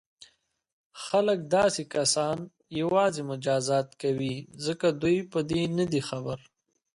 خلک داسې کسان یوازې مجازات کوي ځکه دوی په دې نه دي خبر.